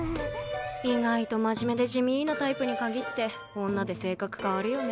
意外と真面目で地味なタイプに限って女で性格変わるよね。